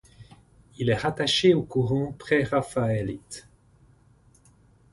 Il est rattaché au courant préraphaélite.